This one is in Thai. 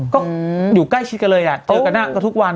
ก็อยู่ใกล้ชิดกันเลยอ่ะเจอกันทุกวัน